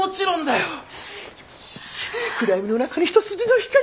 よし暗闇の中に一筋の光が。